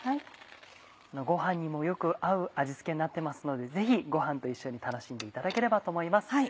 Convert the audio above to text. ご飯にもよく合う味付けになってますのでぜひご飯と一緒に楽しんでいただければと思います。